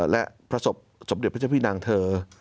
และประสบสมเด็จพระเจ้าพี่นางเธอ